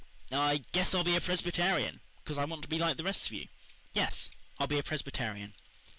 I guess I'll be a Presbyterian, 'cause I want to be like the rest of you. Yes, I'll be a Presbyterian."